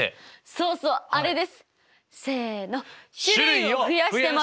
そうそうあれです！せの。